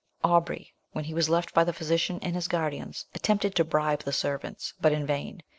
Aubrey, when he was left by the physician and his guardians, attempted to bribe the servants, but in vain.